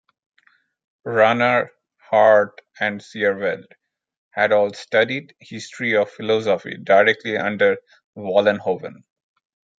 Runner, Hart, and Seerveld had all studied history of philosophy directly under Vollenhoven.